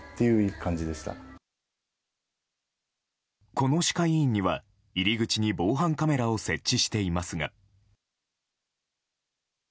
この歯科医院には入り口に防犯カメラを設置していますが。